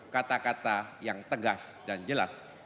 kata kata yang tegas dan jelas